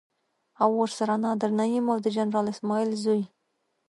او ورسره نادر نعيم او د جنرال اسماعيل زوی.